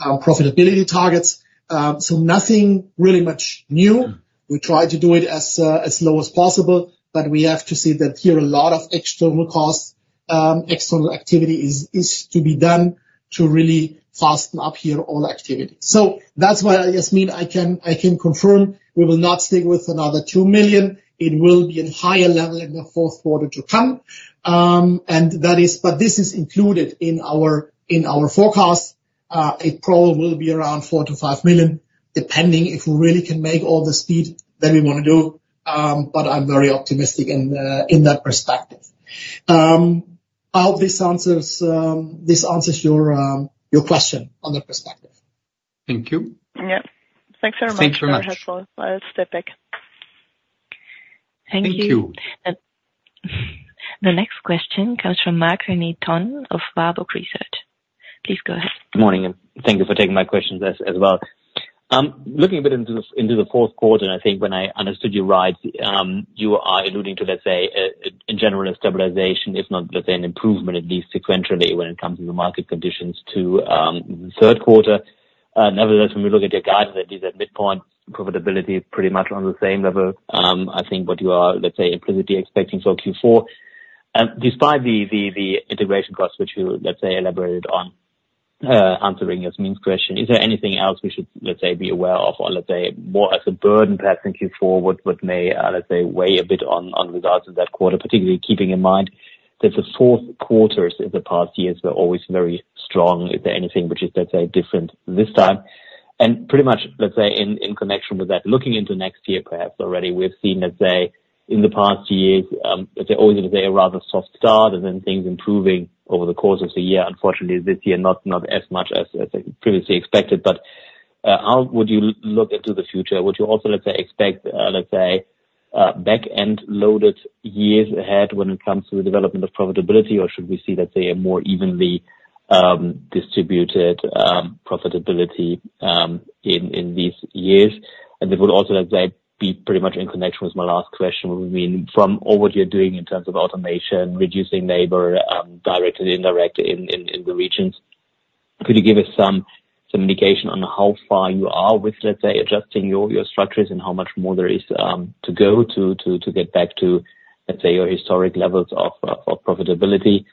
C: profitability targets. So nothing really much new. We try to do it as low as possible, but we have to see that here a lot of external costs, external activity is to be done to really hasten up here all activity. So that's why, Yasmin, I can confirm we will not stick with another 2 million. It will be at a higher level in the fourth quarter to come. And that is, but this is included in our forecast. It probably will be around 4-5 million, depending if we really can make all the speed that we want to do. But I'm very optimistic in that perspective. I hope this answers your question on that perspective.
B: Thank you.
E: Yep. Thanks very much. Thanks very much. That was helpful. I'll step back.
B: Thank you.
A: Thank you. The next question comes from Marc René Tonn of Warburg Research. Please go ahead.
F: Good morning. Thank you for taking my questions as well. Looking a bit into the fourth quarter, and I think when I understood you right, you are alluding to, let's say, in general, a stabilization, if not, let's say, an improvement at least sequentially when it comes to the market conditions to the third quarter. Nevertheless, when we look at your guidance, at least at midpoint, profitability is pretty much on the same level. I think what you are, let's say, implicitly expecting for Q4. Despite the integration costs, which you, let's say, elaborated on answering Yasmin's question, is there anything else we should, let's say, be aware of, or let's say, more as a burden perhaps in Q4, what may, let's say, weigh a bit on results in that quarter, particularly keeping in mind that the fourth quarters in the past years were always very strong? Is there anything which is, let's say, different this time? And pretty much, let's say, in connection with that, looking into next year perhaps already, we've seen, let's say, in the past years, let's say, always a rather soft start and then things improving over the course of the year. Unfortunately, this year, not as much as previously expected. But how would you look into the future? Would you also, let's say, expect, let's say, back-end loaded years ahead when it comes to the development of profitability, or should we see, let's say, a more evenly distributed profitability in these years? And it would also, let's say, be pretty much in connection with my last question. From what you're doing in terms of automation, reducing labor directly and indirectly in the regions, could you give us some indication on how far you are with, let's say, adjusting your structures and how much more there is to go to get back to, let's say, your historic levels of profitability?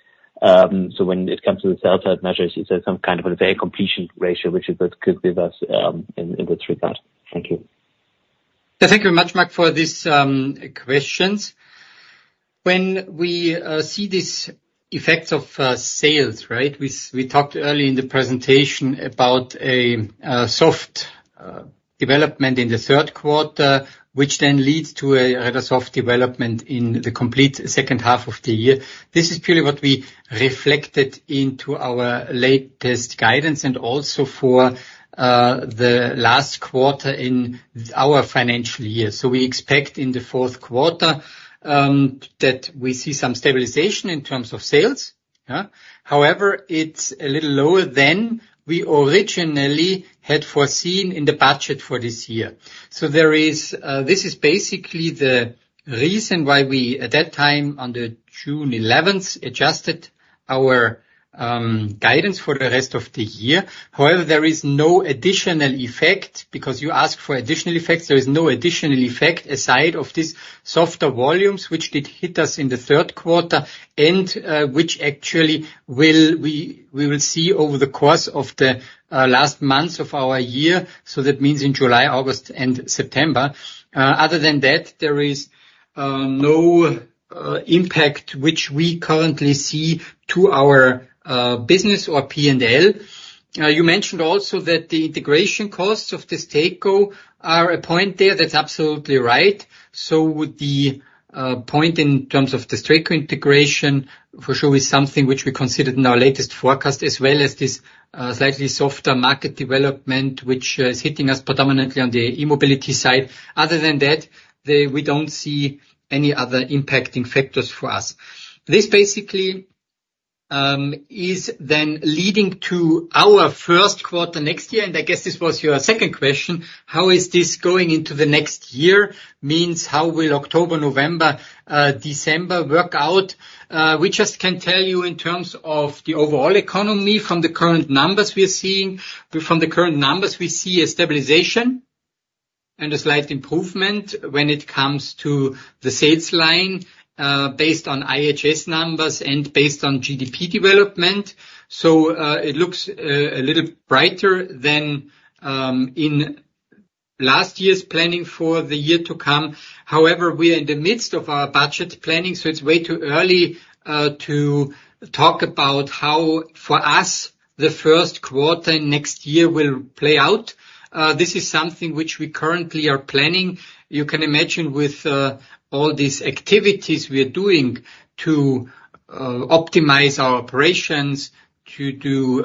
F: So when it comes to the sell-side measures, is there some kind of a very completion ratio which you could give us in this regard? Thank you.
B: Thank you very much, Marc, for these questions. When we see these effects of sales, right? We talked early in the presentation about a soft development in the third quarter, which then leads to a rather soft development in the complete second half of the year. This is purely what we reflected into our latest guidance and also for the last quarter in our financial year. So we expect in the fourth quarter that we see some stabilization in terms of sales. However, it's a little lower than we originally had foreseen in the budget for this year. So this is basically the reason why we, at that time, on June 11th, adjusted our guidance for the rest of the year. However, there is no additional effect because you asked for additional effects. There is no additional effect aside from these softer volumes which did hit us in the third quarter and which actually we will see over the course of the last months of our year. So that means in July, August, and September. Other than that, there is no impact which we currently see to our business or P&L. You mentioned also that the integration costs of DESTACO are a point there. That's absolutely right. So the point in terms of Destaco integration for sure is something which we considered in our latest forecast, as well as this slightly softer market development which is hitting us predominantly on the e-mobility side. Other than that, we don't see any other impacting factors for us. This basically is then leading to our first quarter next year. And I guess this was your second question. How is this going into the next year? Means how will October, November, December work out? We just can tell you in terms of the overall economy from the current numbers we're seeing. From the current numbers, we see a stabilization and a slight improvement when it comes to the sales line based on IHS numbers and based on GDP development. So it looks a little brighter than in last year's planning for the year to come. However, we are in the midst of our budget planning, so it's way too early to talk about how, for us, the first quarter next year will play out. This is something which we currently are planning. You can imagine with all these activities we are doing to optimize our operations, to do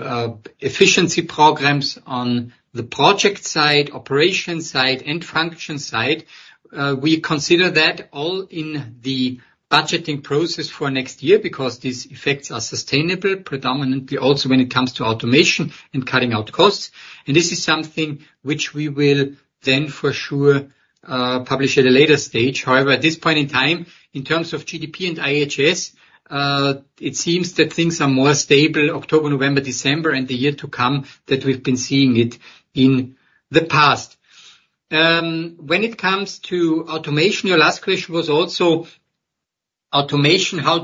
B: efficiency programs on the project side, operation side, and function side. We consider that all in the budgeting process for next year because these effects are sustainable, predominantly also when it comes to automation and cutting out costs. And this is something which we will then for sure publish at a later stage. However, at this point in time, in terms of GDP and IHS, it seems that things are more stable October, November, December, and the year to come that we've been seeing it in the past. When it comes to automation, your last question was also automation. How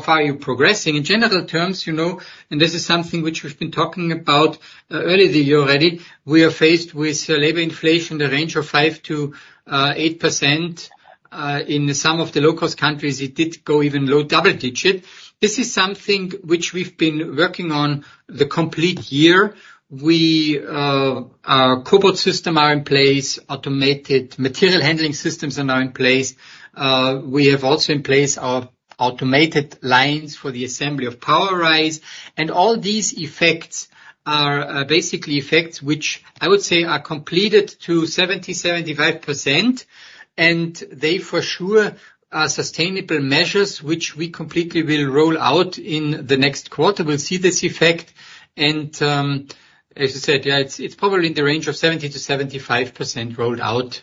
B: far are you progressing? In general terms, and this is something which we've been talking about earlier this year already, we are faced with labor inflation in the range of 5%-8%. In some of the low-cost countries, it did go even low double-digit. This is something which we've been working on the complete year. Our cobots systems are in place, automated material handling systems are in place. We have also in place our automated lines for the assembly of Powerise. And all these effects are basically effects which I would say are completed to 70%-75%. And they for sure are sustainable measures which we completely will roll out in the next quarter. We'll see this effect. As you said, yeah, it's probably in the range of 70%-75% rolled out,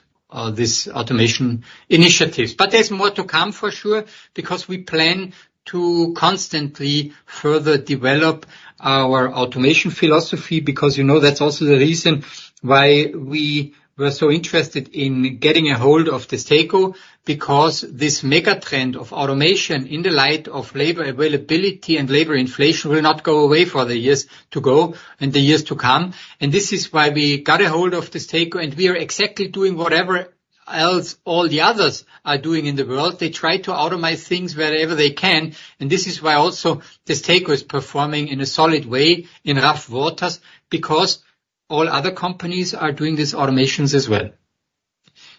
B: these automation initiatives. But there's more to come for sure because we plan to constantly further develop our automation philosophy because that's also the reason why we were so interested in getting a hold of Destaco, because this mega trend of automation in the light of labor availability and labor inflation will not go away for the years to go and the years to come. And this is why we got a hold of Destaco, and we are exactly doing whatever else all the others are doing in the world. They try to automate things wherever they can. And this is why also Destaco is performing in a solid way in rough waters because all other companies are doing these automations as well.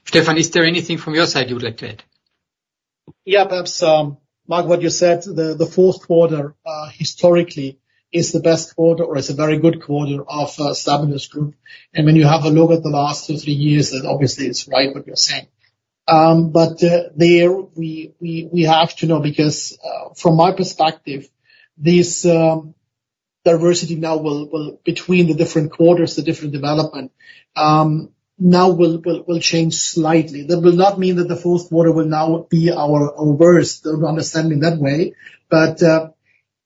B: Stefan, is there anything from your side you would like to add?
C: Yeah, perhaps, Marc, what you said, the fourth quarter historically is the best quarter or is a very good quarter of Stabilus Group. And when you have a look at the last two, three years, then obviously it's right what you're saying. But there we have to know because from my perspective, this diversity now between the different quarters, the different development, now will change slightly. That will not mean that the fourth quarter will now be our worst. Don't understand me in that way. But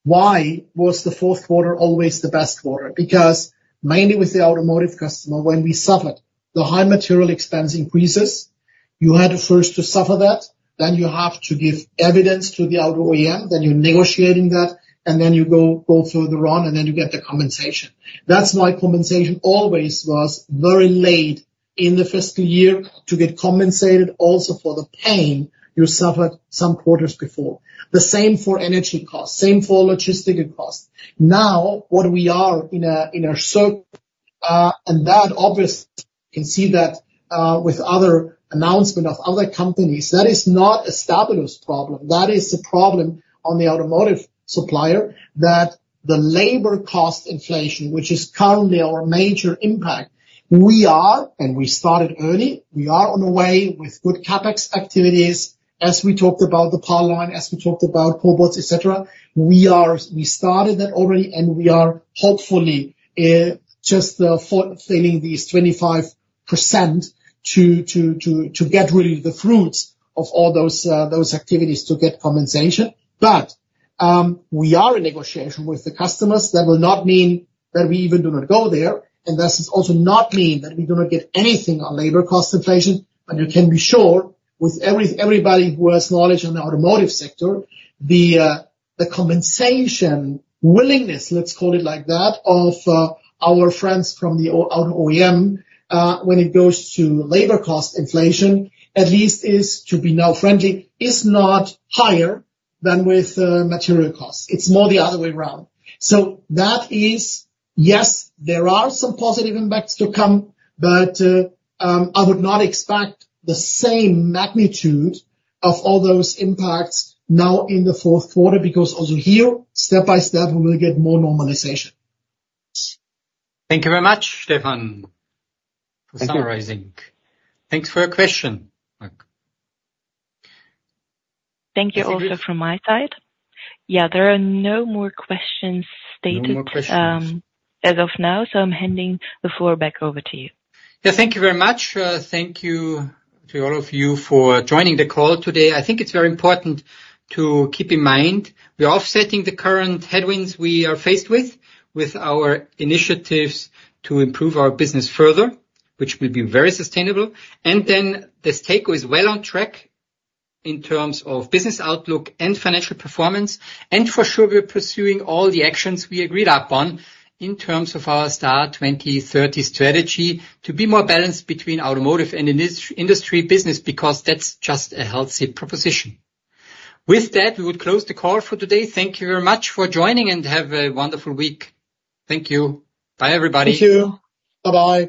C: why was the fourth quarter always the best quarter? Because mainly with the automotive customer, when we suffered, the high material expense increases. You had to first suffer that, then you have to give evidence to the auto OEM, then you're negotiating that, and then you go further on, and then you get the compensation. That's why compensation always was very late in the fiscal year to get compensated also for the pain you suffered some quarters before. The same for energy costs, same for logistical costs. Now what we are in a circle. That obviously you can see that with other announcements of other companies. That is not a Stabilus's problem. That is a problem on the automotive supplier that the labor cost inflation, which is currently our major impact. We are, and we started early, we are on the way with good CapEx activities as we talked about the PAL line, as we talked about cobots, etc. We started that already, and we are hopefully just filling these 25% to get really the fruits of all those activities to get compensation. But we are in negotiation with the customers. That will not mean that we even do not go there. And that does also not mean that we do not get anything on labor cost inflation. But you can be sure with everybody who has knowledge in the automotive sector, the compensation willingness, let's call it like that, of our friends from the auto OEM when it goes to labor cost inflation, at least is to be now friendly, is not higher than with material costs. It's more the other way around. So that is, yes, there are some positive impacts to come, but I would not expect the same magnitude of all those impacts now in the fourth quarter because also here, step by step, we will get more normalization.
B: Thank you very much, Stefan, for summarizing. Thanks for your question, Marc.
A: Thank you also from my side. Yeah, there are no more questions stated. No more questions as of now. So I'm handing the floor back over to you.
B: Yeah, thank you very much. Thank you to all of you for joining the call today. I think it's very important to keep in mind we are offsetting the current headwinds we are faced with with our initiatives to improve our business further, which will be very sustainable. And then Destaco is well on track in terms of business outlook and financial performance. For sure, we're pursuing all the actions we agreed upon in terms of our STAR 2030 strategy to be more balanced between automotive and industry business because that's just a healthy proposition. With that, we would close the call for today. Thank you very much for joining and have a wonderful week. Thank you. Bye, everybody.
C: Thank you. Bye-bye.